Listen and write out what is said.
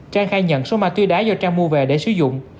trang khai nhận số ma túy đá do trang mua về để sử dụng